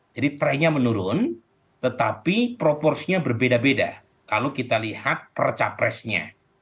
jadi trennya menurun tetapi proporsinya berbeda beda kalau kita lihat per capresnya